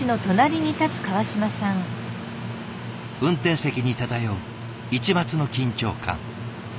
運転席に漂う一抹の緊張感。